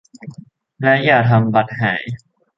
และอย่าทำบัตรหาย